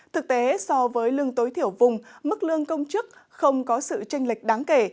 thực tế so với lương tối thiểu vùng mức lương công chức không có sự tranh lệch đáng kể